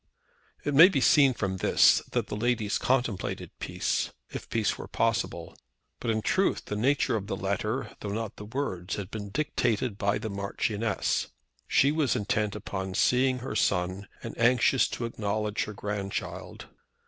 It may be seen from this that the ladies contemplated peace, if peace were possible. But in truth the nature of the letter, though not the words, had been dictated by the Marchioness. She was intent upon seeing her son, and anxious to acknowledge her grandchild.